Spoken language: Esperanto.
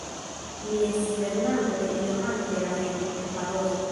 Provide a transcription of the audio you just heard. Li estis lernanto de Johano de Raveno, en Padovo.